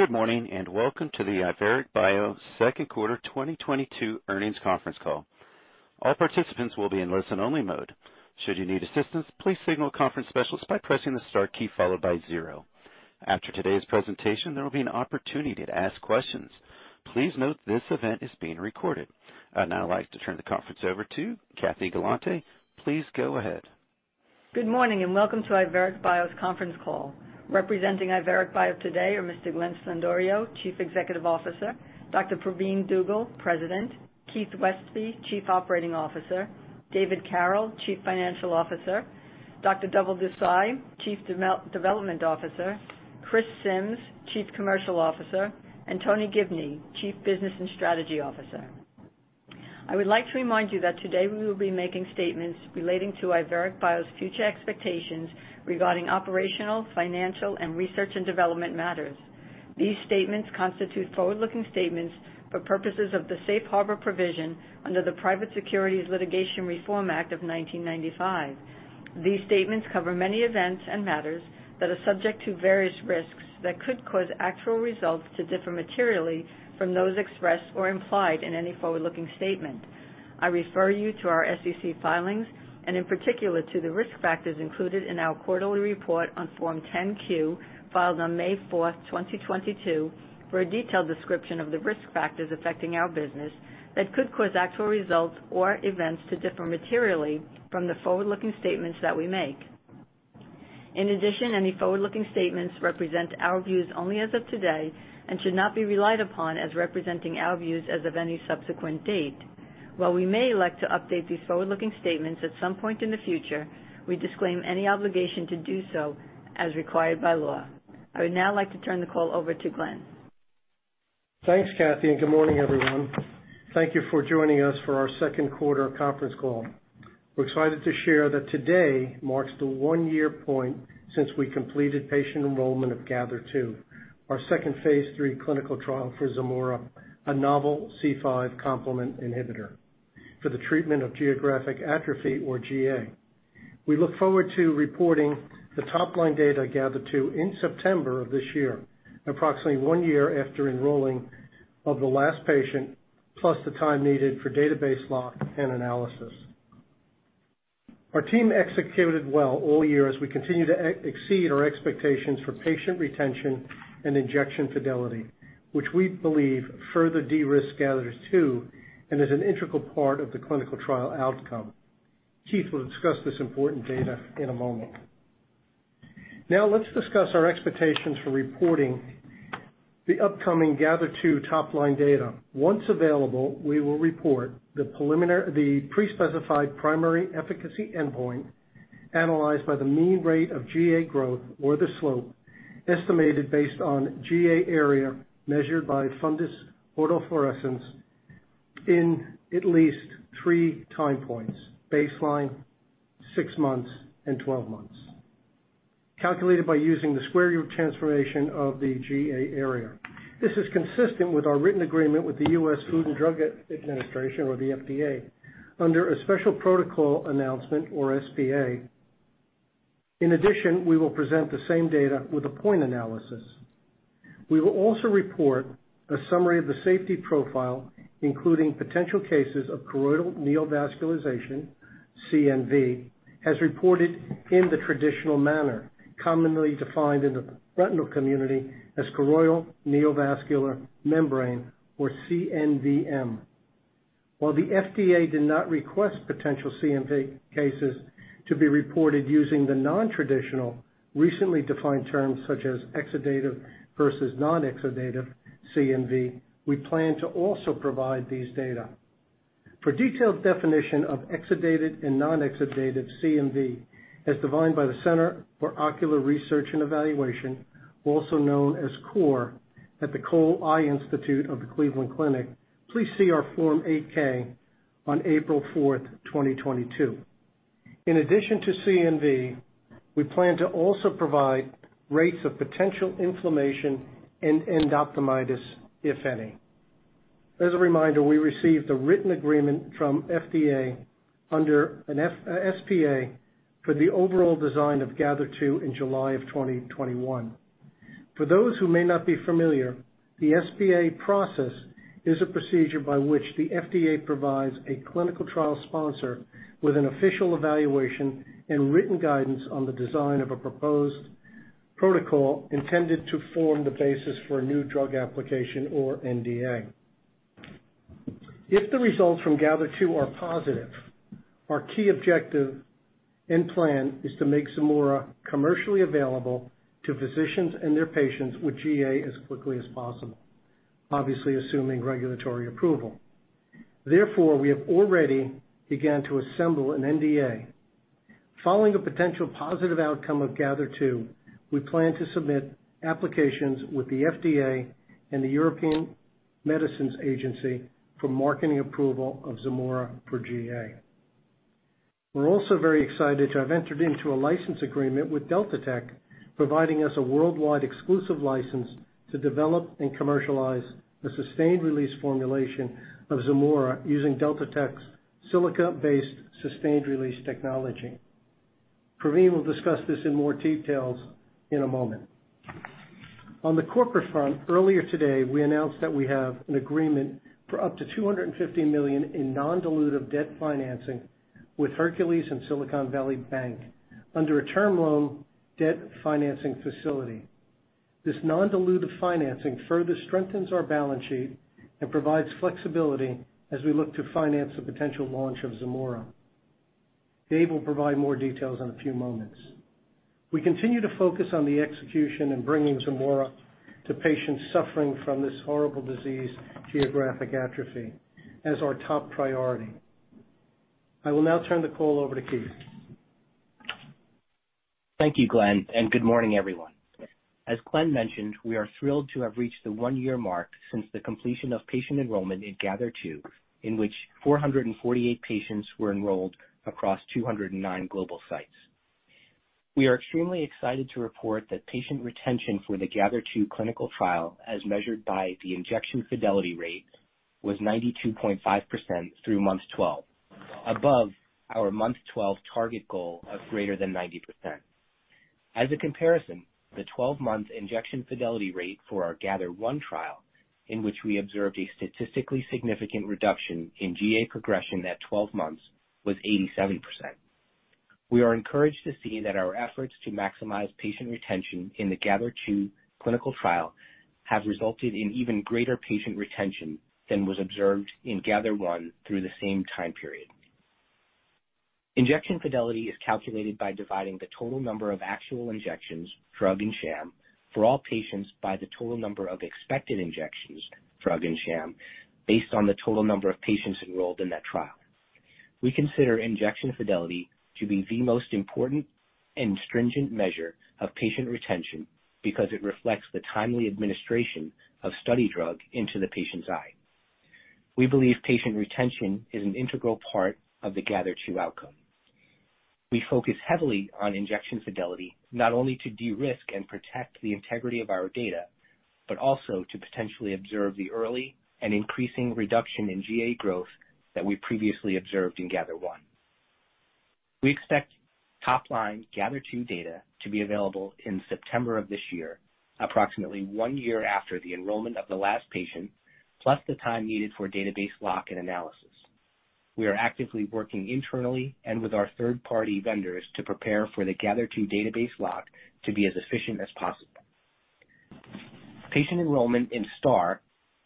Good morning, and welcome to the IVERIC bio second quarter 2022 Earnings Conference Call. All participants will be in listen-only mode. Should you need assistance, please signal a conference specialist by pressing the star key followed by zero. After today's presentation, there will be an opportunity to ask questions. Please note this event is being recorded. I'd now like to turn the conference over to Kathy Galante. Please go ahead. Good morning, and welcome to IVERIC bio's conference call. Representing IVERIC bio today are Mr. Glenn P. Sblendorio, Chief Executive Officer, Dr. Pravin U. Dugel, President, Keith Westby, Chief Operating Officer, David Carroll, Chief Financial Officer, Dr. Dhaval Desai, Chief Development Officer, Chris Simms, Chief Commercial Officer, and Tony Gibney, Chief Business and Strategy Officer. I would like to remind you that today we will be making statements relating to IVERIC bio's future expectations regarding operational, financial, and research and development matters. These statements constitute forward-looking statements for purposes of the safe harbor provision under the Private Securities Litigation Reform Act of 1995. These statements cover many events and matters that are subject to various risks that could cause actual results to differ materially from those expressed or implied in any forward-looking statement. I refer you to our SEC filings, and in particular to the risk factors included in our quarterly report on Form 10-Q, filed on May fourth, 2022, for a detailed description of the risk factors affecting our business that could cause actual results or events to differ materially from the forward-looking statements that we make. In addition, any forward-looking statements represent our views only as of today and should not be relied upon as representing our views as of any subsequent date. While we may elect to update these forward-looking statements at some point in the future, we disclaim any obligation to do so as required by law. I would now like to turn the call over to Glenn. Thanks, Kathy, and good morning, everyone. Thank you for joining us for our second quarter conference call. We're excited to share that today marks the one-year point since we completed patient enrollment of GATHER2, our second phase III clinical trial for Zimura, a novel C5 complement inhibitor for the treatment of geographic atrophy, or GA. We look forward to reporting the top-line data GATHER2 in September of this year, approximately one-year after enrollment of the last patient, plus the time needed for database lock and analysis. Our team executed well all year as we continue to exceed our expectations for patient retention and injection fidelity, which we believe further de-risk GATHER2 and is an integral part of the clinical trial outcome. Keith will discuss this important data in a moment. Now let's discuss our expectations for reporting the upcoming GATHER2 top-line data. Once available, we will report the pre-specified primary efficacy endpoint analyzed by the mean rate of GA growth or the slope, estimated based on GA area measured by fundus autofluorescence in at least three time points, baseline, six months, and 12 months, calculated by using the square root transformation of the GA area. This is consistent with our written agreement with the U.S. Food and Drug Administration, or the FDA, under a Special Protocol Assessment or SPA. In addition, we will present the same data with a point analysis. We will also report a summary of the safety profile, including potential cases of choroidal neovascularization, CNV, as reported in the traditional manner, commonly defined in the retinal community as choroidal neovascular membrane or CNVM. While the FDA did not request potential CNV cases to be reported using the non-traditional, recently defined terms such as exudative versus non-exudative CNV, we plan to also provide these data. For detailed definition of exudative and non-exudative CNV, as defined by the Center for Ocular Research & Education, also known as CORE, at the Cole Eye Institute of the Cleveland Clinic, please see our Form 8-K on April 4, 2022. In addition to CNV, we plan to also provide rates of potential inflammation and endophthalmitis, if any. As a reminder, we received a written agreement from FDA under a SPA for the overall design of GATHER2 in July 2021. For those who may not be familiar, the SPA process is a procedure by which the FDA provides a clinical trial sponsor with an official evaluation and written guidance on the design of a proposed protocol intended to form the basis for a new drug application or NDA. If the results from GATHER2 are positive, our key objective and plan is to make Zimura commercially available to physicians and their patients with GA as quickly as possible, obviously assuming regulatory approval. Therefore, we have already began to assemble an NDA. Following a potential positive outcome of GATHER2, we plan to submit applications with the FDA and the European Medicines Agency for marketing approval of Zimura for GA. We're also very excited to have entered into a license agreement with DelSiTech, providing us a worldwide exclusive license to develop and commercialize the sustained-release formulation of Zimura using DelSiTech's silica-based sustained release technology. Pravin will discuss this in more details in a moment. On the corporate front, earlier today, we announced that we have an agreement for up to $250 million in non-dilutive debt financing with Hercules Capital and Silicon Valley Bank under a term loan debt financing facility. This non-dilutive financing further strengthens our balance sheet and provides flexibility as we look to finance the potential launch of Zimura. Dave will provide more details in a few moments. We continue to focus on the execution and bringing Zimura to patients suffering from this horrible disease, geographic atrophy, as our top priority. I will now turn the call over to Keith. Thank you, Glenn, and good morning, everyone. As Glenn mentioned, we are thrilled to have reached the one-year mark since the completion of patient enrollment in GATHER2, in which 448 patients were enrolled across 209 global sites. We are extremely excited to report that patient retention for the GATHER2 clinical trial, as measured by the injection fidelity rate, was 92.5% through month 12, above our month 12 target goal of greater than 90%. As a comparison, the 12-month injection fidelity rate for our GATHER1 trial, in which we observed a statistically significant reduction in GA progression at 12 months, was 87%. We are encouraged to see that our efforts to maximize patient retention in the GATHER2 clinical trial have resulted in even greater patient retention than was observed in GATHER1 through the same time period. Injection fidelity is calculated by dividing the total number of actual injections, drug and sham, for all patients by the total number of expected injections, drug and sham, based on the total number of patients enrolled in that trial. We consider injection fidelity to be the most important and stringent measure of patient retention because it reflects the timely administration of study drug into the patient's eye. We believe patient retention is an integral part of the GATHER2 outcome. We focus heavily on injection fidelity, not only to de-risk and protect the integrity of our data, but also to potentially observe the early and increasing reduction in GA growth that we previously observed in GATHER1. We expect top-line GATHER2 data to be available in September of this year, approximately one-year after the enrollment of the last patient, plus the time needed for database lock and analysis. We are actively working internally and with our third-party vendors to prepare for the GATHER2 database lock to be as efficient as possible. Patient enrollment in STAR,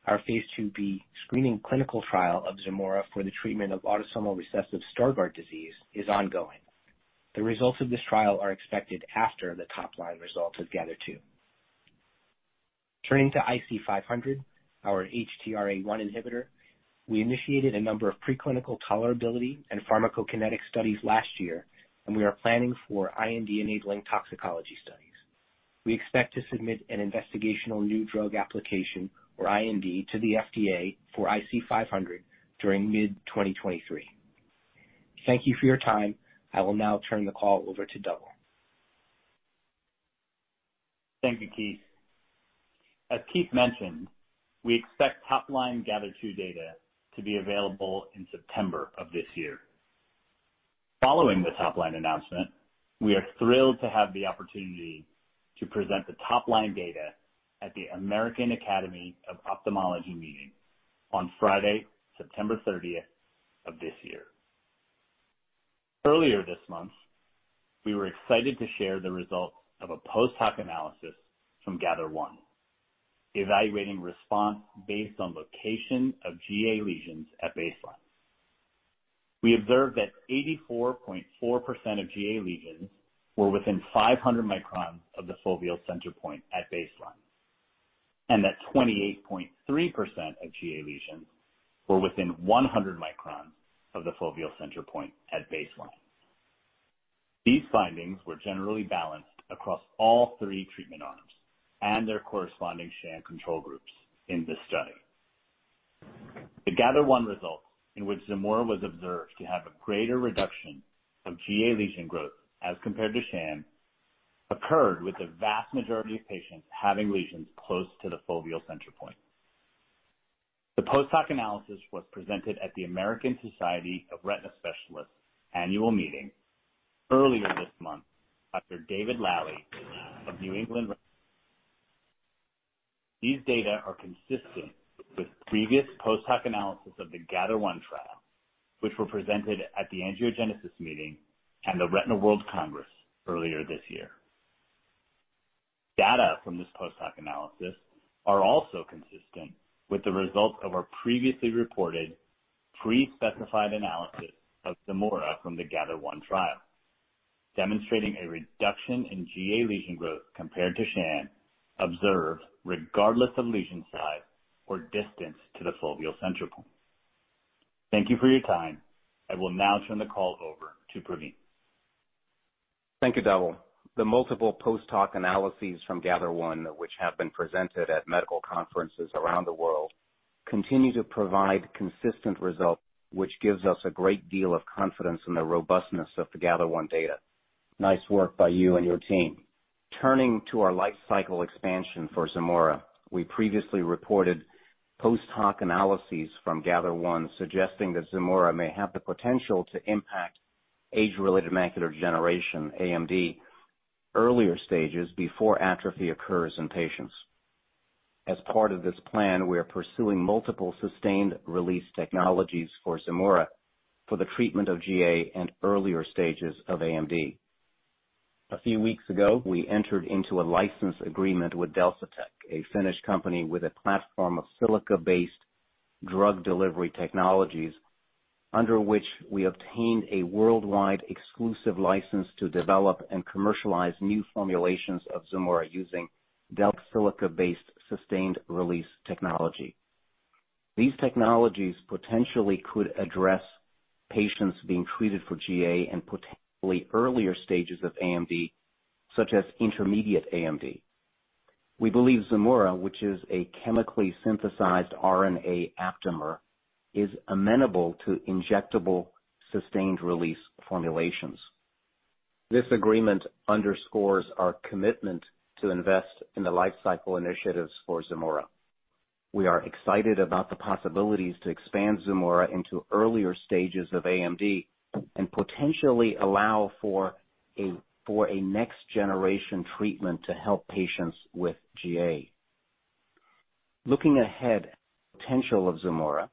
our phase II-B screening clinical trial of Zimura for the treatment of autosomal recessive Stargardt disease, is ongoing. The results of this trial are expected after the top-line results of GATHER2. Turning to IC-500, our HTRA1 inhibitor, we initiated a number of preclinical tolerability and pharmacokinetic studies last year, and we are planning for IND-enabling toxicology studies. We expect to submit an investigational new drug application, or IND, to the FDA for IC-500 during mid-2023. Thank you for your time. I will now turn the call over to Dhaval. Thank you, Keith. As Keith mentioned, we expect top-line GATHER2 data to be available in September of this year. Following the top-line announcement, we are thrilled to have the opportunity to present the top-line data at the American Academy of Ophthalmology meeting on Friday, September thirtieth of this year. Earlier this month, we were excited to share the results of a post-hoc analysis from GATHER1, evaluating response based on location of GA lesions at baseline. We observed that 84.4% of GA lesions were within 500 microns of the foveal center point at baseline, and that 28.3% of GA lesions were within 100 microns of the foveal center point at baseline. These findings were generally balanced across all three treatment arms and their corresponding sham control groups in this study. The GATHER1 results, in which Zimura was observed to have a greater reduction of GA lesion growth as compared to sham, occurred with the vast majority of patients having lesions close to the foveal center point. The post-hoc analysis was presented at the American Society of Retina Specialists annual meeting earlier this month by Dr. David Lally of New England Retina Consultants. These data are consistent with previous post-hoc analysis of the GATHER1 trial, which were presented at the Angiogenesis meeting and the Retina World Congress earlier this year. Data from this post-hoc analysis are also consistent with the results of our previously reported pre-specified analysis of Zimura from the GATHER1 trial, demonstrating a reduction in GA lesion growth compared to sham observed regardless of lesion size or distance to the foveal center point. Thank you for your time. I will now turn the call over to Pravin. Thank you, Dhaval. The multiple post-hoc analyses from GATHER1, which have been presented at medical conferences around the world, continue to provide consistent results, which gives us a great deal of confidence in the robustness of the GATHER1 data. Nice work by you and your team. Turning to our life cycle expansion for Zimura, we previously reported post-hoc analyses from GATHER1 suggesting that Zimura may have the potential to impact age-related macular degeneration, AMD, earlier stages before atrophy occurs in patients. As part of this plan, we are pursuing multiple sustained-release technologies for Zimura for the treatment of GA and earlier stages of AMD. A few weeks ago, we entered into a license agreement with DelSiTech, a Finnish company with a platform of silica-based drug delivery technologies, under which we obtained a worldwide exclusive license to develop and commercialize new formulations of Zimura using DelSiTech silica-based sustained-release technology. These technologies potentially could address patients being treated for GA and potentially earlier stages of AMD, such as intermediate AMD. We believe Zimura, which is a chemically synthesized RNA aptamer, is amenable to injectable sustained-release formulations. This agreement underscores our commitment to invest in the life cycle initiatives for Zimura. We are excited about the possibilities to expand Zimura into earlier stages of AMD and potentially allow for a next-generation treatment to help patients with GA. Looking ahead at the potential of Zimura,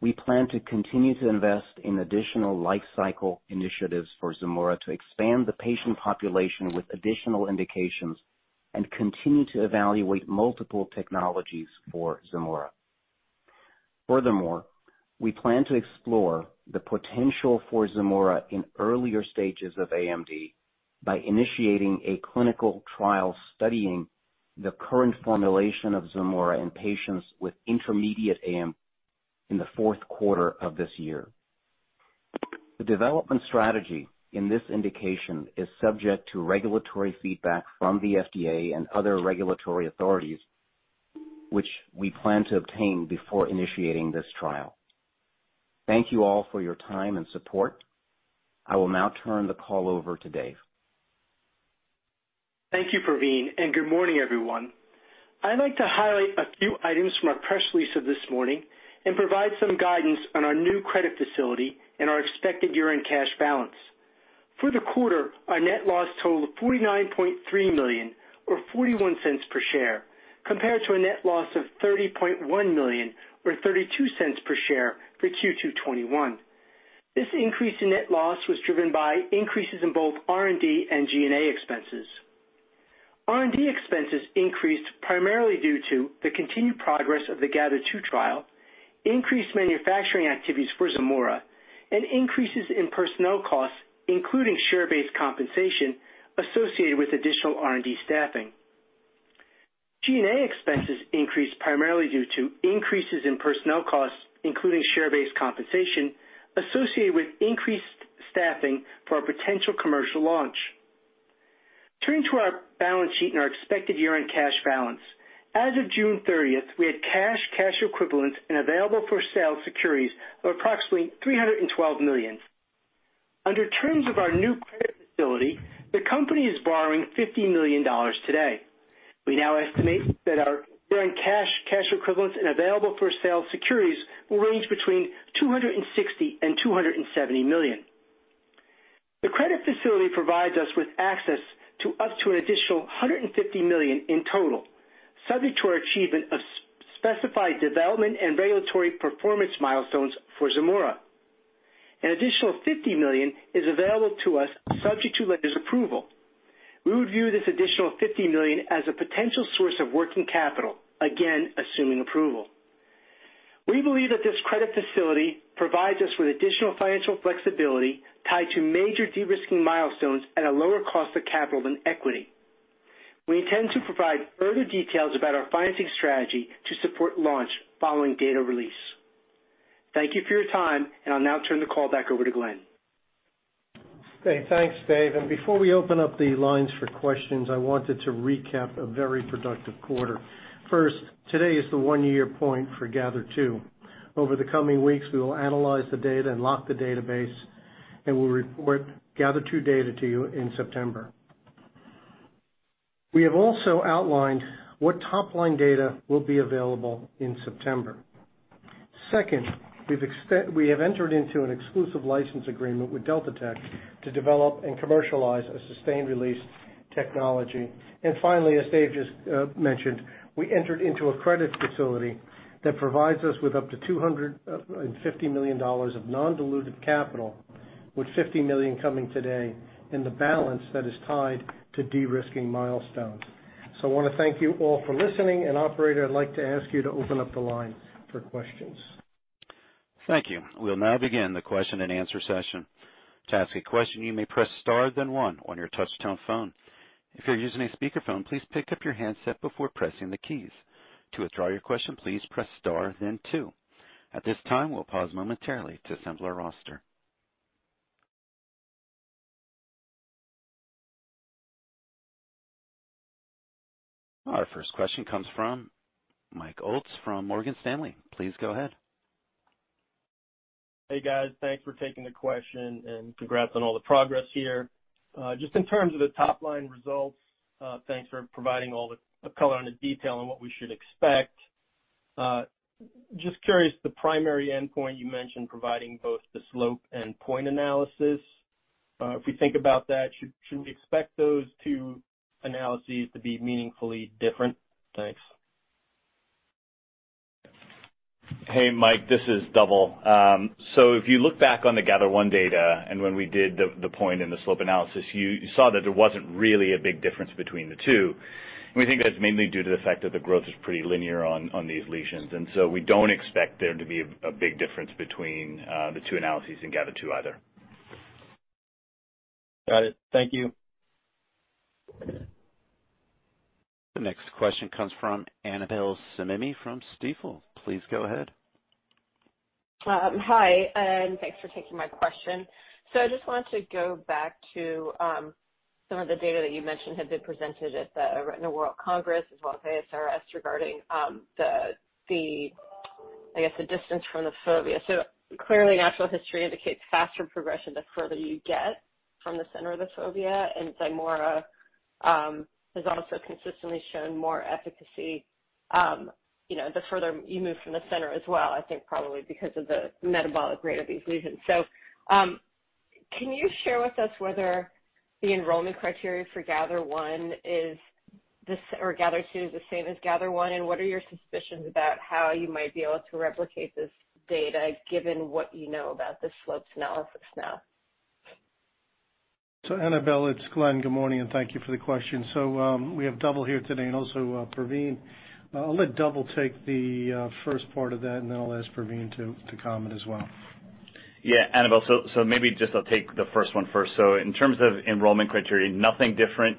we plan to continue to invest in additional life cycle initiatives for Zimura to expand the patient population with additional indications and continue to evaluate multiple technologies for Zimura. Furthermore, we plan to explore the potential for Zimura in earlier stages of AMD by initiating a clinical trial studying the current formulation of Zimura in patients with intermediate AMD in the fourth quarter of this year. The development strategy in this indication is subject to regulatory feedback from the FDA and other regulatory authorities, which we plan to obtain before initiating this trial. Thank you all for your time and support. I will now turn the call over to Dave. Thank you, Pravin, and good morning, everyone. I'd like to highlight a few items from our press release of this morning and provide some guidance on our new credit facility and our expected year-end cash balance. For the quarter, our net loss totaled $49.3 million or $0.41 per share, compared to a net loss of $30.1 million or $0.32 per share for Q2 2021. This increase in net loss was driven by increases in both R&D and G&A expenses. R&D expenses increased primarily due to the continued progress of the GATHER2 trial, increased manufacturing activities for Zimura, and increases in personnel costs, including share-based compensation associated with additional R&D staffing. G&A expenses increased primarily due to increases in personnel costs, including share-based compensation associated with increased staffing for our potential commercial launch. Turning to our balance sheet and our expected year-end cash balance. As of June 30th, we had cash equivalents, and available-for-sale securities of approximately $312 million. Under terms of our new credit facility, the company is borrowing $50 million today. We now estimate that our year-end cash equivalents, and available-for-sale securities will range between $260 million and $270 million. The credit facility provides us with access to up to an additional $150 million in total, subject to our achievement of specified development and regulatory performance milestones for Zimura. An additional $50 million is available to us subject to lender's approval. We would view this additional $50 million as a potential source of working capital, again, assuming approval. We believe that this credit facility provides us with additional financial flexibility tied to major de-risking milestones at a lower cost of capital than equity. We intend to provide further details about our financing strategy to support launch following data release. Thank you for your time, and I'll now turn the call back over to Glenn. Okay, thanks, Dave. Before we open up the lines for questions, I wanted to recap a very productive quarter. First, today is the one-year point for GATHER2. Over the coming weeks, we will analyze the data and lock the database, and we'll report GATHER2 data to you in September. We have also outlined what top-line data will be available in September. Second, we have entered into an exclusive license agreement with DelSiTech to develop and commercialize a sustained-release technology. Finally, as Dave just mentioned, we entered into a credit facility that provides us with up to $250 million of non-diluted capital, with $50 million coming today in the balance that is tied to de-risking milestones. I wanna thank you all for listening, and operator, I'd like to ask you to open up the line for questions. Thank you. We'll now begin the question-and-answer session. To ask a question, you may press star then one on your touch-tone phone. If you're using a speakerphone, please pick up your handset before pressing the keys. To withdraw your question, please press star then two. At this time, we'll pause momentarily to assemble our roster. Our first question comes from Mike Ulz from Morgan Stanley. Please go ahead. Hey, guys. Thanks for taking the question and congrats on all the progress here. Just in terms of the top-line results, thanks for providing all the color and the detail on what we should expect. Just curious, the primary endpoint you mentioned providing both the slope and point analysis. If we think about that, should we expect those two analyses to be meaningfully different? Thanks. Hey, Mike, this is Dhaval. If you look back on the GATHER1 data and when we did the point and the slope analysis, you saw that there wasn't really a big difference between the two. We think that's mainly due to the fact that the growth is pretty linear on these lesions. We don't expect there to be a big difference between the two analyses in GATHER2 either. Got it. Thank you. The next question comes from Annabel Samimy from Stifel. Please go ahead. Hi, and thanks for taking my question. I just wanted to go back to some of the data that you mentioned had been presented at the Retina World Congress, as well as ASRS, regarding, I guess, the distance from the fovea. Clearly, natural history indicates faster progression the further you get from the center of the fovea. Zimura has also consistently shown more efficacy, you know, the further you move from the center as well, I think probably because of the metabolic rate of these lesions. Can you share with us whether the enrollment criteria for GATHER1 or GATHER2 is the same as GATHER1? What are your suspicions about how you might be able to replicate this data given what you know about the slopes analysis now? Annabel, it's Glenn. Good morning, and thank you for the question. We have Dhaval here today and also, Pravin. I'll let Dhaval take the first part of that, and then I'll ask Pravin to comment as well. Annabel Samimy, maybe just I'll take the first one first. In terms of enrollment criteria, nothing different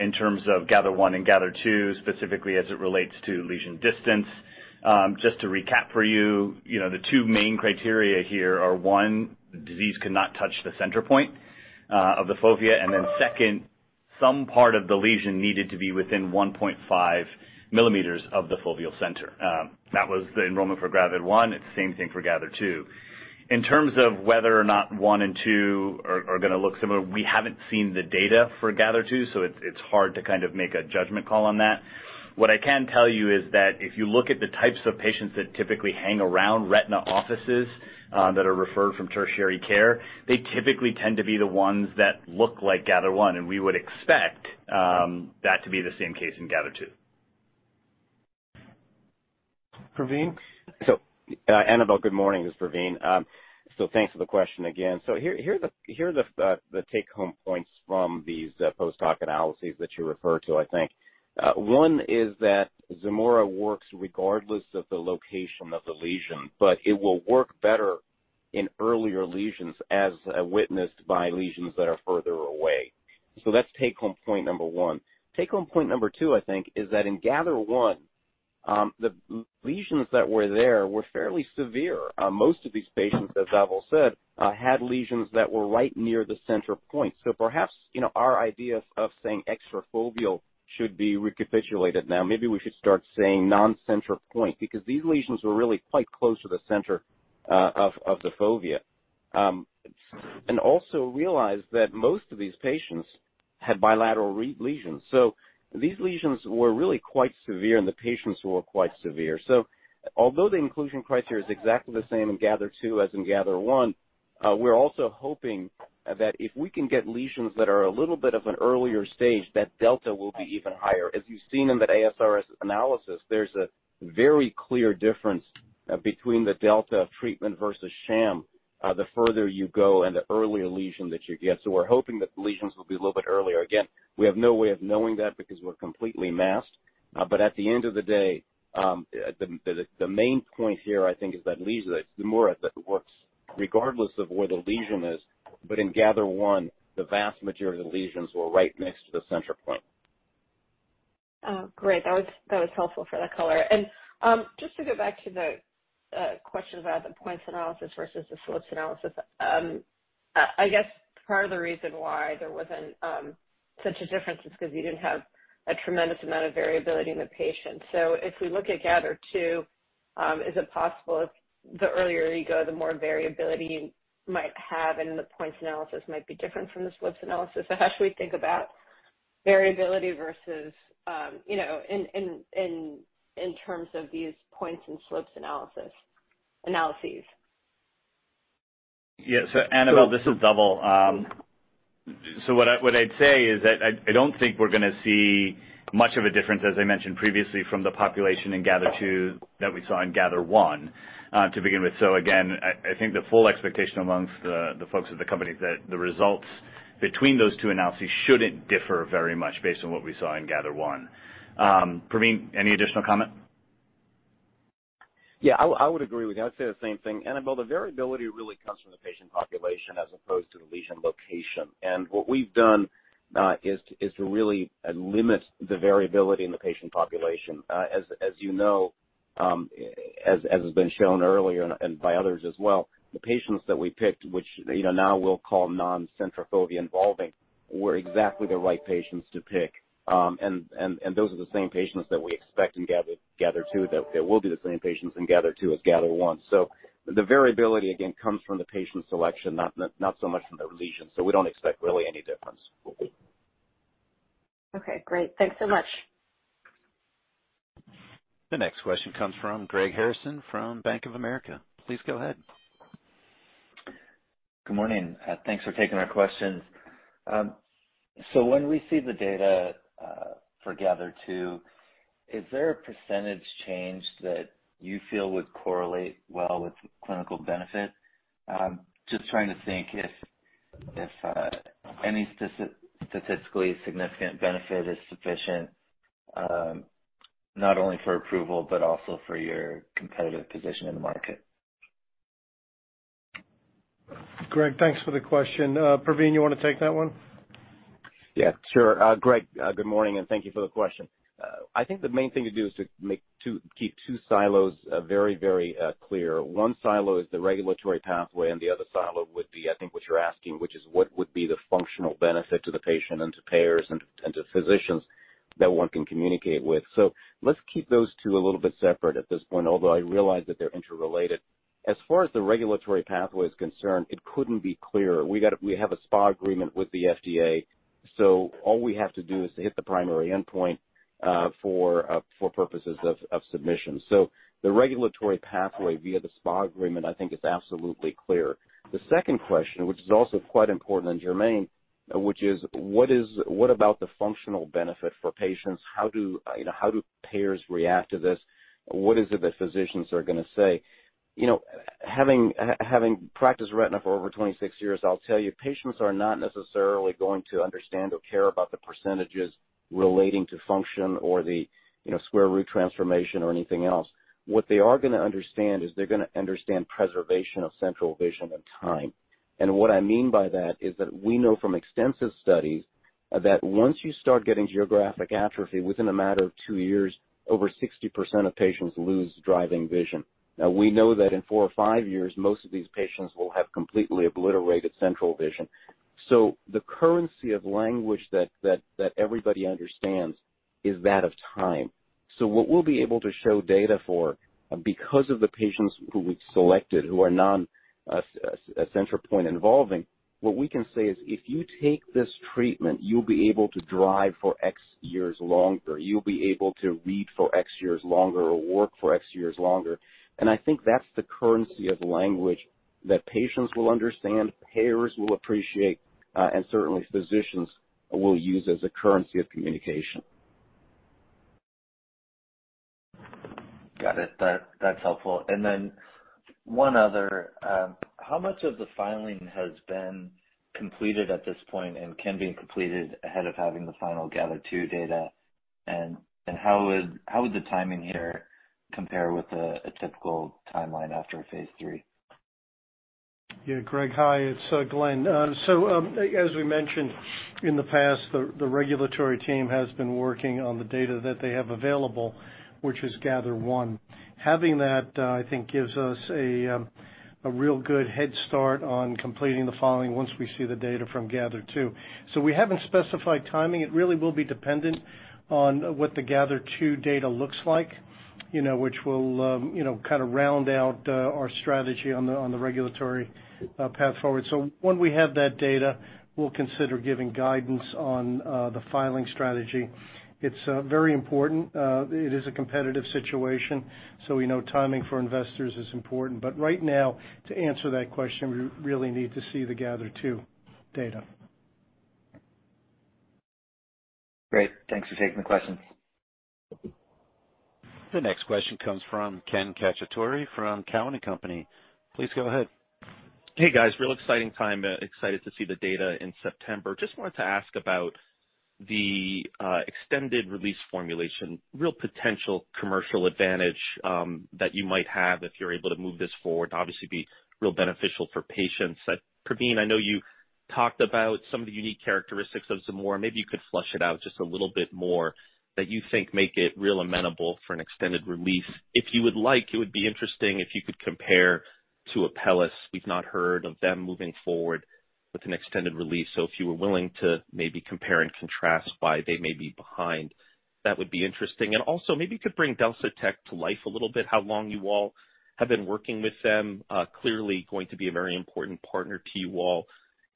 in terms of GATHER1 and GATHER2, specifically as it relates to lesion distance. Just to recap for you know, the two main criteria here are, one, the disease cannot touch the center point of the fovea. And then second, some part of the lesion needed to be within 1.5 millimeters of the foveal center. That was the enrollment for GATHER1. It's the same thing for GATHER2. In terms of whether or not one and two are gonna look similar, we haven't seen the data for GATHER2, so it's hard to kind of make a judgment call on that. What I can tell you is that if you look at the types of patients that typically hang around retina offices, that are referred from tertiary care, they typically tend to be the ones that look like GATHER1, and we would expect that to be the same case in GATHER2. Pravin. Annabel, good morning. This is Pravin. Thanks for the question again. Here are the take-home points from these post hoc analyses that you refer to, I think. One is that Zimura works regardless of the location of the lesion, but it will work better in earlier lesions, witnessed by lesions that are further away. That's take-home point number one. Take-home point number two, I think, is that in GATHER1, the lesions that were there were fairly severe. Most of these patients, as Dhaval said, had lesions that were right near the center point. Perhaps, you know, our idea of saying extrafoveal should be recapitulated now. Maybe we should start saying non-center point, because these lesions were really quite close to the center of the fovea. Also realize that most of these patients had bilateral lesions. These lesions were really quite severe, and the patients were quite severe. Although the inclusion criteria is exactly the same in GATHER2 as in GATHER1, we're also hoping that if we can get lesions that are a little bit of an earlier stage, that delta will be even higher. As you've seen in that ASRS analysis, there's a very clear difference between the delta treatment versus sham, the further you go and the earlier lesion that you get. We're hoping that the lesions will be a little bit earlier. Again, we have no way of knowing that because we're completely masked. At the end of the day, the main point here, I think, is that the more it works regardless of where the lesion is. In GATHER1, the vast majority of the lesions were right next to the center point. Oh, great. That was helpful for that color. Just to go back to the questions about the points analysis versus the slopes analysis. I guess part of the reason why there wasn't such a difference is 'cause you didn't have a tremendous amount of variability in the patient. If we look at GATHER2, is it possible if the earlier you go, the more variability you might have and the points analysis might be different from the slopes analysis? How should we think about variability versus, you know, in terms of these points and slopes analyses? Yeah. Annabel, this is Dhaval. What I'd say is that I don't think we're gonna see much of a difference, as I mentioned previously, from the population in GATHER2 that we saw in GATHER1, to begin with. Again, I think the full expectation amongst the folks at the company is that the results between those two analyses shouldn't differ very much based on what we saw in GATHER1. Pravin, any additional comment? Yeah, I would agree with you. I'd say the same thing. Annabel, the variability really comes from the patient population as opposed to the lesion location. What we've done is to really limit the variability in the patient population. As you know, as has been shown earlier and by others as well, the patients that we picked, which, you know, now we'll call non-center fovea involving, were exactly the right patients to pick. And those are the same patients that we expect in GATHER2, that they will be the same patients in GATHER2 as GATHER1. The variability again comes from the patient selection, not so much from the lesion. We don't expect really any difference. Okay, great. Thanks so much. The next question comes from Greg Harrison from Bank of America. Please go ahead. Good morning. Thanks for taking our questions. When we see the data for GATHER2, is there a percentage change that you feel would correlate well with clinical benefit? Just trying to think if any statistically significant benefit is sufficient, not only for approval but also for your competitive position in the market. Greg, thanks for the question. Pravin, you wanna take that one? Yeah, sure. Greg, good morning, and thank you for the question. I think the main thing to do is to keep two silos very clear. One silo is the regulatory pathway, and the other silo would be, I think, what you're asking, which is what would be the functional benefit to the patient and to payers and to physicians that one can communicate with. Let's keep those two a little bit separate at this point, although I realize that they're interrelated. As far as the regulatory pathway is concerned, it couldn't be clearer. We have a SPA agreement with the FDA, so all we have to do is to hit the primary endpoint for purposes of submission. The regulatory pathway via the SPA agreement, I think is absolutely clear. The second question, which is also quite important and germane, which is what about the functional benefit for patients? How do you know how do payers react to this? What is it that physicians are gonna say? You know, having practiced retina for over 26 years, I'll tell you, patients are not necessarily going to understand or care about the percentages relating to function or the, you know, square root transformation or anything else. What they are gonna understand is they're gonna understand preservation of central vision and time. What I mean by that is that we know from extensive studies that once you start getting geographic atrophy within a matter of two years, over 60% of patients lose driving vision. Now, we know that in four or five years, most of these patients will have completely obliterated central vision. The currency of language that everybody understands is that of time. What we'll be able to show data for, because of the patients who we've selected who are non-central point-involving, what we can say is if you take this treatment, you'll be able to drive for X years longer. You'll be able to read for X years longer or work for X years longer. I think that's the currency of language that patients will understand, payers will appreciate, and certainly physicians will use as a currency of communication. Got it. That's helpful. Then one other. How much of the filing has been completed at this point and can be completed ahead of having the final GATHER2 data? How would the timing here compare with a typical timeline after a phase III? Greg, hi, it's Glenn. As we mentioned in the past, the regulatory team has been working on the data that they have available, which is GATHER1. Having that, I think gives us a real good head start on completing the filing once we see the data from GATHER2. We haven't specified timing. It really will be dependent on what the GATHER2 data looks like, you know, which will kinda round out our strategy on the regulatory path forward. When we have that data, we'll consider giving guidance on the filing strategy. It's very important. It is a competitive situation, so we know timing for investors is important. Right now, to answer that question, we really need to see the GATHER2 data. Great. Thanks for taking the question. The next question comes from Ken Cacciatore from Cowen and Company. Please go ahead. Hey, guys. Real exciting time. Excited to see the data in September. Just wanted to ask about the extended release formulation, real potential commercial advantage that you might have if you're able to move this forward. Obviously be real beneficial for patients. Pravin, I know you talked about some of the unique characteristics of Zimura. Maybe you could flesh it out just a little bit more that you think make it real amenable for an extended release. If you would like, it would be interesting if you could compare to Apellis. We've not heard of them moving forward with an extended release. So if you were willing to maybe compare and contrast why they may be behind, that would be interesting. Also, maybe you could bring DelSiTech to life a little bit, how long you all have been working with them. Clearly going to be a very important partner to you all.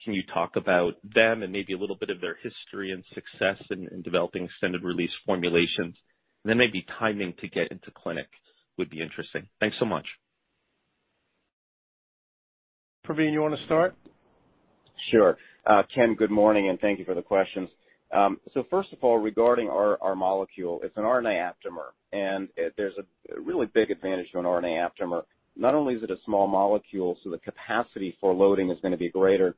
Can you talk about them and maybe a little bit of their history and success in developing extended release formulations? Maybe timing to get into clinic would be interesting. Thanks so much. Pravin, you wanna start? Sure. Ken, good morning, and thank you for the questions. First of all, regarding our molecule, it's an RNA aptamer, and there's a really big advantage to an RNA aptamer. Not only is it a small molecule, so the capacity for loading is gonna be greater, but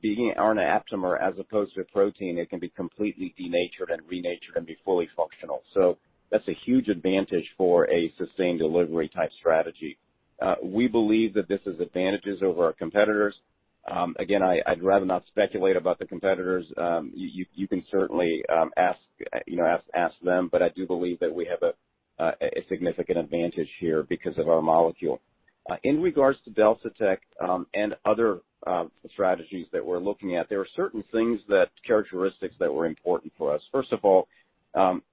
being an RNA aptamer as opposed to a protein, it can be completely denatured and renatured and be fully functional. So that's a huge advantage for a sustained delivery type strategy. We believe that this has advantages over our competitors. Again, I'd rather not speculate about the competitors. You can certainly ask, you know, ask them, but I do believe that we have a significant advantage here because of our molecule. In regards to DelSiTech, and other strategies that we're looking at, there are certain characteristics that were important for us. First of all,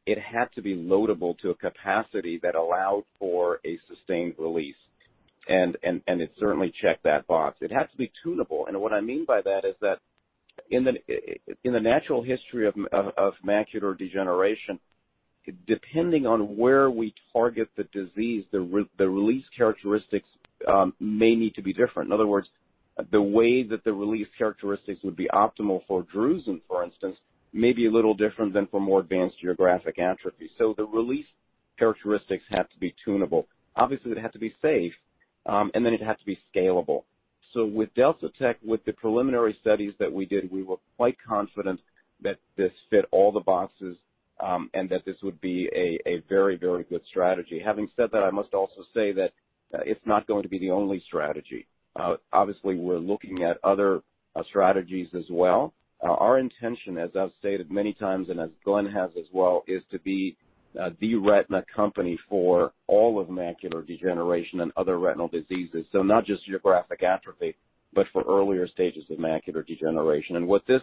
it had to be loadable to a capacity that allowed for a sustained release. It certainly checked that box. It had to be tunable. What I mean by that is that in the natural history of macular degeneration, depending on where we target the disease, the release characteristics may need to be different. In other words, the way that the release characteristics would be optimal for drusen, for instance, may be a little different than for more advanced geographic atrophy. The release characteristics have to be tunable. Obviously, it had to be safe, and then it had to be scalable. With DelSiTech, with the preliminary studies that we did, we were quite confident that this fit all the boxes, and that this would be a very good strategy. Having said that, I must also say that it's not going to be the only strategy. Obviously, we're looking at other strategies as well. Our intention, as I've stated many times, and as Glenn has as well, is to be the retina company for all of macular degeneration and other retinal diseases. Not just geographic atrophy, but for earlier stages of macular degeneration. What this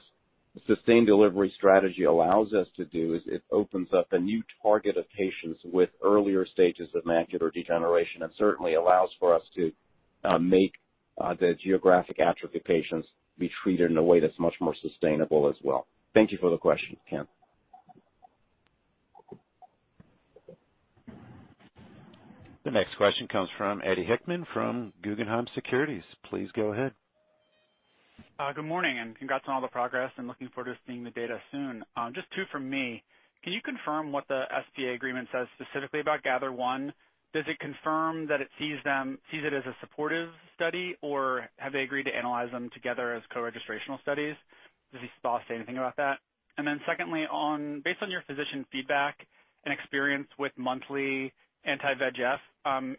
sustained delivery strategy allows us to do is it opens up a new target of patients with earlier stages of macular degeneration, and certainly allows for us to make the geographic atrophy patients be treated in a way that's much more sustainable as well. Thank you for the question, Ken. The next question comes from Eddie Hickman from Guggenheim Securities. Please go ahead. Good morning, and congrats on all the progress and looking forward to seeing the data soon. Just two from me. Can you confirm what the FDA agreement says specifically about GATHER1? Does it confirm that it sees it as a supportive study, or have they agreed to analyze them together as co-registrational studies? Does the SPA say anything about that? And then secondly, based on your physician feedback and experience with monthly anti-VEGF,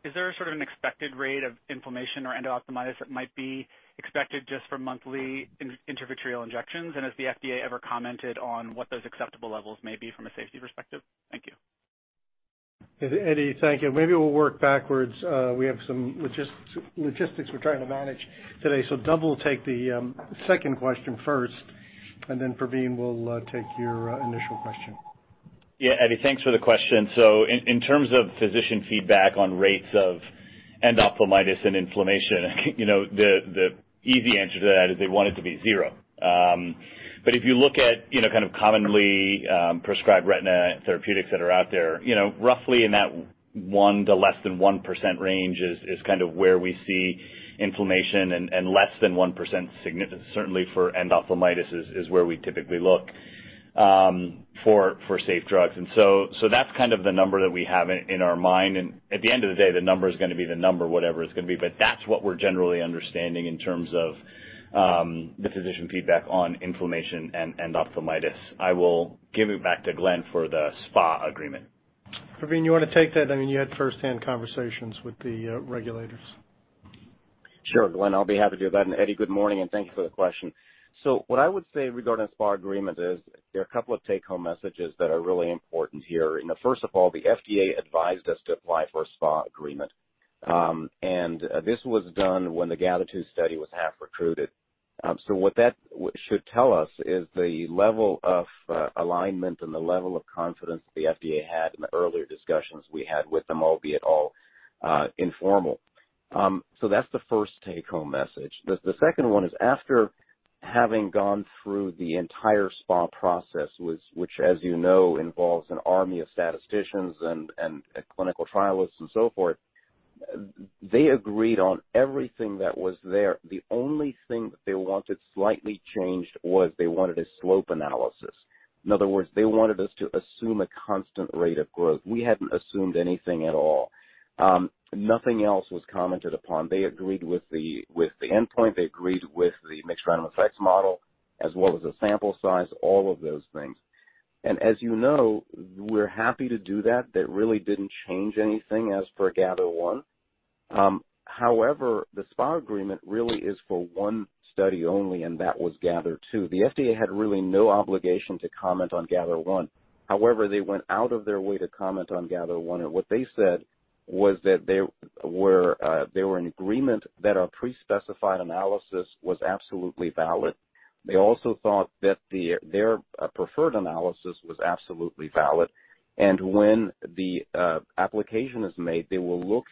is there sort of an expected rate of inflammation or endophthalmitis that might be expected just for monthly intravitreal injections? And has the FDA ever commented on what those acceptable levels may be from a safety perspective? Thank you. Eddie, thank you. Maybe we'll work backwards. We have some logistics we're trying to manage today. Let's take the second question first, and then Pravin will take your initial question. Yeah. Eddie, thanks for the question. In terms of physician feedback on rates of endophthalmitis and inflammation, you know, the easy answer to that is they want it to be zero. If you look at, you know, kind of commonly prescribed retina therapeutics that are out there, you know, roughly in that 1% to less than 1% range is kind of where we see inflammation and less than 1% significance, certainly for endophthalmitis, is where we typically look for safe drugs. That's kind of the number that we have in our mind. At the end of the day, the number is gonna be the number, whatever it's gonna be. That's what we're generally understanding in terms of the physician feedback on inflammation and endophthalmitis. I will give it back to Glenn for the SPA agreement. Pravin, you wanna take that? I mean, you had firsthand conversations with the regulators. Sure, Glenn, I'll be happy to do that. Eddie, good morning, and thank you for the question. What I would say regarding SPA agreement is there are a couple of take-home messages that are really important here. You know, first of all, the FDA advised us to apply for a SPA agreement, and this was done when the GATHER2 study was half recruited. What that should tell us is the level of alignment and the level of confidence the FDA had in the earlier discussions we had with them, albeit all informal. That's the first take-home message. The second one is after having gone through the entire SPA process, which as you know involves an army of statisticians and clinical trialists and so forth, they agreed on everything that was there. The only thing that they wanted slightly changed was they wanted a slope analysis. In other words, they wanted us to assume a constant rate of growth. We hadn't assumed anything at all. Nothing else was commented upon. They agreed with the endpoint. They agreed with the mixed random effects model as well as the sample size, all of those things. As you know, we're happy to do that. That really didn't change anything as for GATHER1. However, the SPA agreement really is for one study only, and that was GATHER2. The FDA had really no obligation to comment on GATHER1. However, they went out of their way to comment on GATHER1, and what they said was that they were in agreement that our pre-specified analysis was absolutely valid. They also thought that their preferred analysis was absolutely valid. When the application is made, they will look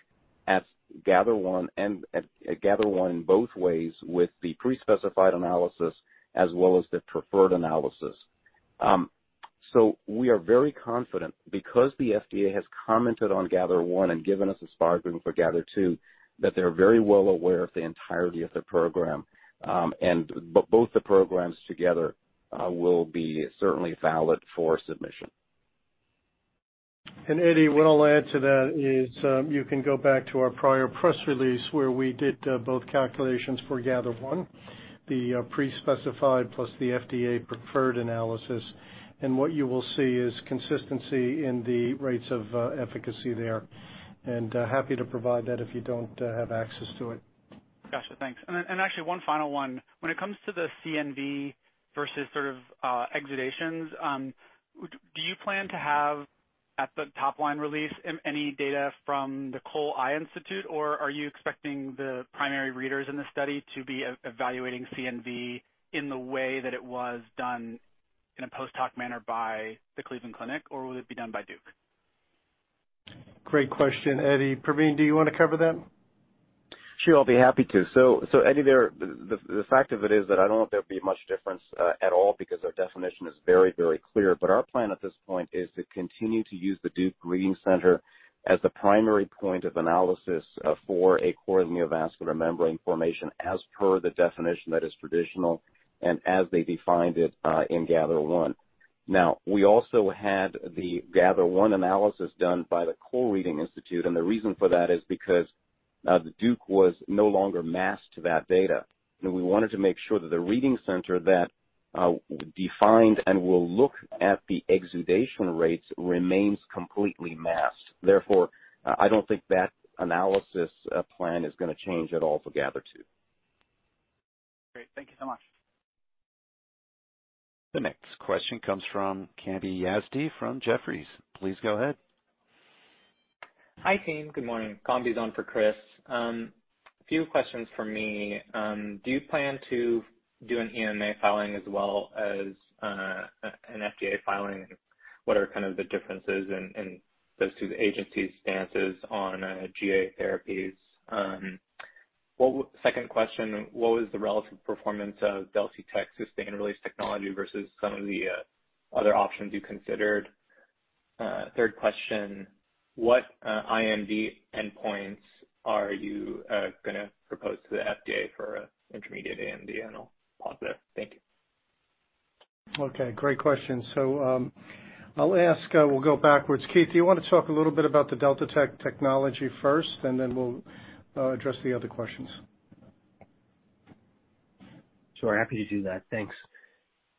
at GATHER1 and at GATHER1 both ways with the pre-specified analysis as well as the preferred analysis. We are very confident because the FDA has commented on GATHER1 and given us a SPA agreement for GATHER2, that they're very well aware of the entirety of the program. Both the programs together will be certainly valid for submission. Eddie, what I'll add to that is, you can go back to our prior press release where we did both calculations for GATHER1, the pre-specified plus the FDA preferred analysis. Happy to provide that if you don't have access to it. Gotcha. Thanks. Actually one final one. When it comes to the CNV versus sort of, exudations, what do you plan to have at the top-line release in any data from the Cole Eye Institute, or are you expecting the primary readers in the study to be evaluating CNV in the way that it was done? In a post hoc manner by the Cleveland Clinic or will it be done by Duke? Great question, Eddie. Pravin, do you want to cover that? Sure, I'll be happy to. Eddie, the fact of it is that I don't know if there'll be much difference at all because our definition is very, very clear. Our plan at this point is to continue to use the Duke Reading Center as the primary point of analysis for core neovascular membrane formation as per the definition that is traditional and as they defined it in GATHER1. Now, we also had the GATHER1 analysis done by the Core Reading Institute, and the reason for that is because the Duke was no longer masked to that data. We wanted to make sure that the reading center that defined and will look at the exudation rates remains completely masked. Therefore, I don't think that analysis plan is gonna change at all for GATHER2. Great. Thank you so much. The next question comes from Akash Tewari from Jefferies. Please go ahead. Hi, team. Good morning. Akash Tewari's on for Chris Simms. A few questions from me. Do you plan to do an EMA filing as well as an FDA filing? What are kind of the differences in those two agencies' stances on GA therapies? Second question, what was the relative performance of DelSiTech sustained release technology versus some of the other options you considered? Third question, what iAMD endpoints are you gonna propose to the FDA for intermediate AMD? I'll pause there. Thank you. Okay, great question. I'll ask, we'll go backwards. Keith, do you wanna talk a little bit about the DelSiTech technology first, and then we'll address the other questions. Sure, happy to do that. Thanks,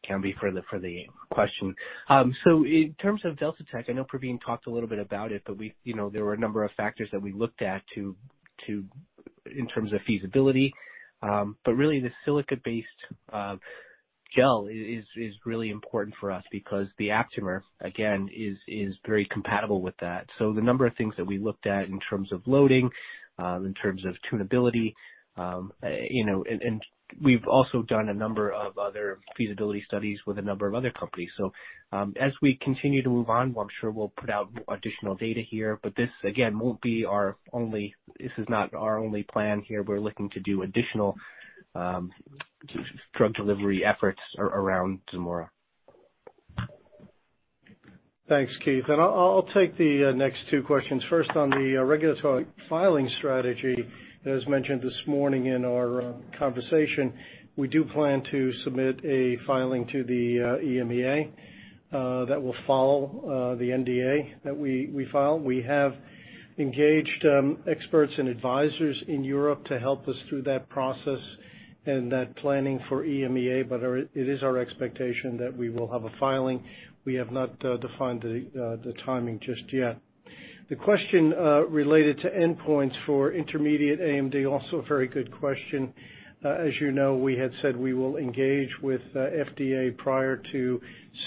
Akash for the question. In terms of DelSiTech, I know Pravin talked a little bit about it, but we, you know, there were a number of factors that we looked at in terms of feasibility. But really, the silica-based gel is really important for us because the aptamer, again, is very compatible with that. The number of things that we looked at in terms of loading, in terms of tunability, you know, and we've also done a number of other feasibility studies with a number of other companies. As we continue to move on, well, I'm sure we'll put out additional data here, but this again won't be our only plan here. We're looking to do additional drug delivery efforts around Zimura. Thanks, Keith. I'll take the next two questions. First, on the regulatory filing strategy, as mentioned this morning in our conversation, we do plan to submit a filing to the EMA that will follow the NDA that we file. We have engaged experts and advisors in Europe to help us through that process and that planning for EMA, but it is our expectation that we will have a filing. We have not defined the timing just yet. The question related to endpoints for intermediate AMD, also a very good question. As you know, we had said we will engage with FDA prior to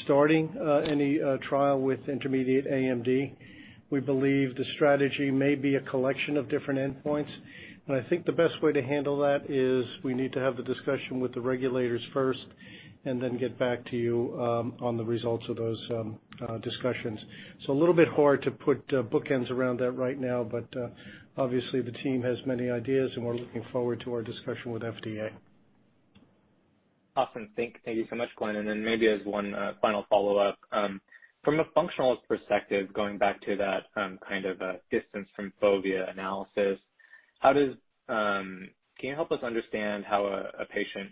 starting any trial with intermediate AMD. We believe the strategy may be a collection of different endpoints. I think the best way to handle that is we need to have the discussion with the regulators first and then get back to you, on the results of those, discussions. A little bit hard to put, bookends around that right now, but, obviously the team has many ideas and we're looking forward to our discussion with FDA. Awesome. Thank you so much, Glenn. Then maybe as one final follow-up from a functionalist perspective, going back to that kind of a distance from fovea analysis, how can you help us understand how a patient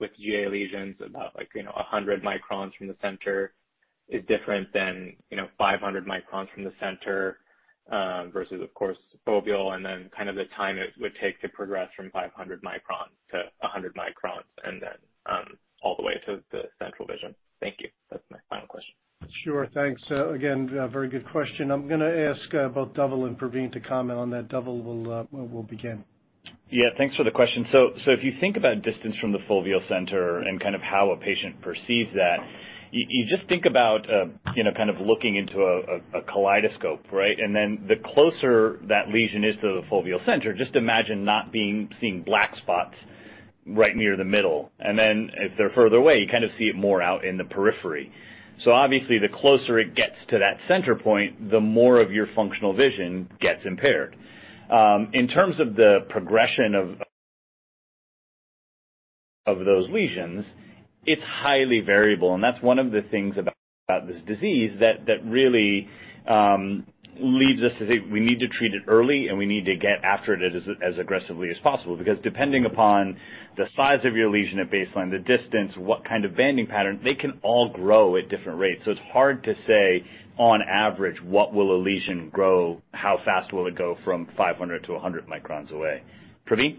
with GA lesions about like, you know, 100 microns from the center is different than, you know, 500 microns from the center versus of course foveal, and then kind of the time it would take to progress from 500 microns to 100 microns and then all the way to the central vision? Thank you. That's my final question. Sure. Thanks. Again, a very good question. I'm gonna ask both Dhaval and Pravin to comment on that. Dhaval will begin. Yeah. Thanks for the question. If you think about distance from the foveal center and kind of how a patient perceives that, you just think about, you know, kind of looking into a kaleidoscope, right? Then the closer that lesion is to the foveal center, just imagine seeing black spots right near the middle. Then if they're further away, you kind of see it more out in the periphery. Obviously the closer it gets to that center point, the more of your functional vision gets impaired. In terms of the progression of those lesions, it's highly variable, and that's one of the things about this disease that really leaves us to say we need to treat it early and we need to get after it as aggressively as possible. Because depending upon the size of your lesion at baseline, the distance, what kind of banding pattern, they can all grow at different rates. It's hard to say on average what will a lesion grow, how fast will it go from 500-100 microns away? Pravin?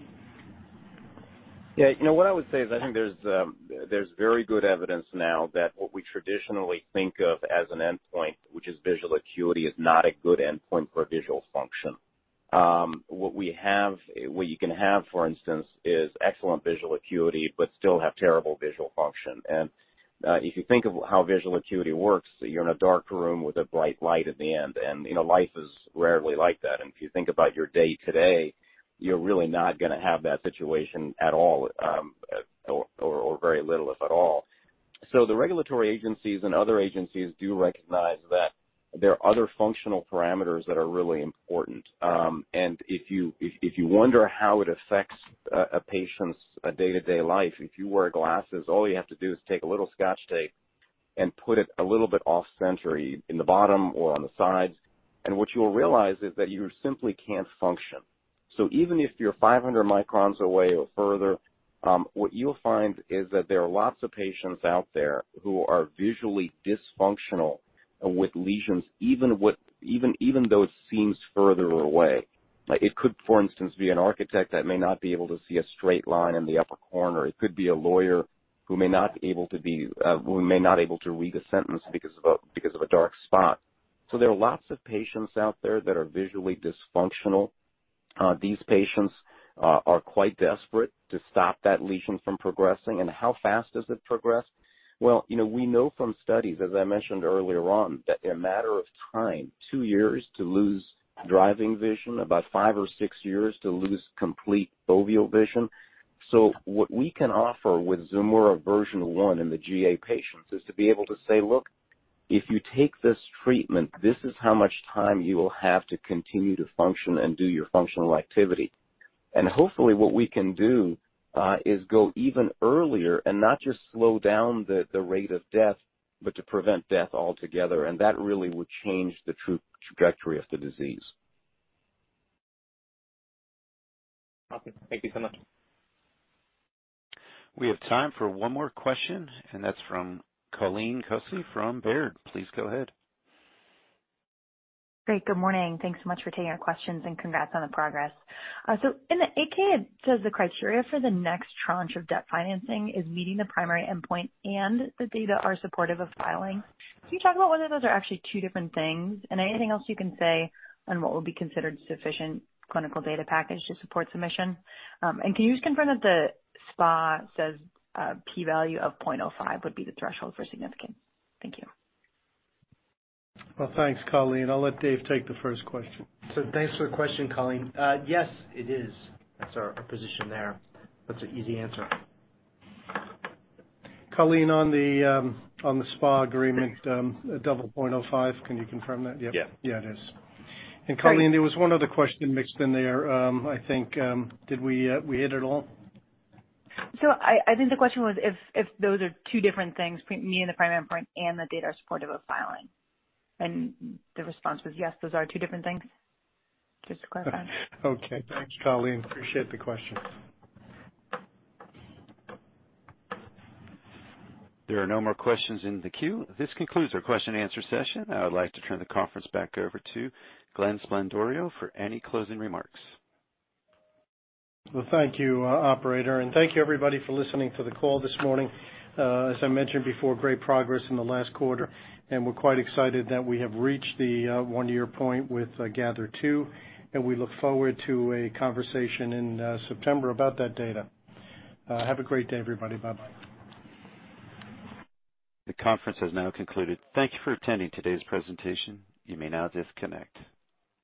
Yeah. You know, what I would say is I think there's very good evidence now that what we traditionally think of as an endpoint, which is visual acuity, is not a good endpoint for visual function. What you can have, for instance, is excellent visual acuity but still have terrible visual function. If you think of how visual acuity works, you're in a dark room with a bright light at the end, and you know, life is rarely like that. If you think about your day today, you're really not gonna have that situation at all, or very little, if at all. The regulatory agencies and other agencies do recognize that there are other functional parameters that are really important. If you wonder how it affects a patient's day-to-day life, if you wear glasses, all you have to do is take a little scotch tape and put it a little bit off-center in the bottom or on the sides, and what you will realize is that you simply can't function. Even if you're 500 microns away or further, what you'll find is that there are lots of patients out there who are visually dysfunctional with lesions, even though it seems further away. It could, for instance, be an architect that may not be able to see a straight line in the upper corner. It could be a lawyer who may not be able to read a sentence because of a dark spot. There are lots of patients out there that are visually dysfunctional. These patients are quite desperate to stop that lesion from progressing. How fast does it progress? Well, you know, we know from studies, as I mentioned earlier on, that in a matter of time, two years to lose driving vision, about five or six years to lose complete foveal vision. What we can offer with Zimura version one in the GA patients is to be able to say, "Look, if you take this treatment, this is how much time you will have to continue to function and do your functional activity." Hopefully, what we can do is go even earlier and not just slow down the rate of death, but to prevent death altogether. That really would change the true trajectory of the disease. Awesome. Thank you so much. We have time for one more question, and that's from Colleen Kusy from Baird. Please go ahead. Great. Good morning. Thanks so much for taking our questions, and congrats on the progress. In the 8-K, it says the criteria for the next tranche of debt financing is meeting the primary endpoint, and the data are supportive of filing. Can you talk about whether those are actually two different things? Anything else you can say on what will be considered sufficient clinical data package to support submission? Can you just confirm that the SPA says, P value of 0.05 would be the threshold for significance? Thank you. Well, thanks, Colleen. I'll let Dave take the first question. Thanks for the question, Colleen. Yes, it is. That's our position there. That's an easy answer. Colleen Kusy, on the SPA agreement, 0.05, can you confirm that? Yeah. Yeah, it is. Great. Colleen, there was one other question mixed in there, I think, did we hit it all. I think the question was if those are two different things, meeting the primary endpoint and the data are supportive of filing. The response was, yes, those are two different things. Just to clarify. Okay. Thanks, Colleen. Appreciate the question. There are no more questions in the queue. This concludes our question and answer session. I would like to turn the conference back over to Glenn Sblendorio for any closing remarks. Well, thank you, operator, and thank you, everybody, for listening to the call this morning. As I mentioned before, great progress in the last quarter, and we're quite excited that we have reached the one-year point with GATHER2, and we look forward to a conversation in September about that data. Have a great day, everybody. Bye-bye. The conference has now concluded. Thank you for attending today's presentation. You may now disconnect.